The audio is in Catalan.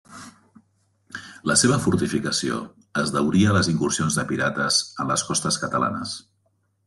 La seva fortificació es deuria a les incursions de pirates en les costes catalanes.